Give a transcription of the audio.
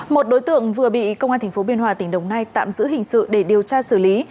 một đối tượng vừa bị công an tp biên hòa tỉnh đồng nai tạm giữ hình sự để điều tra xử lý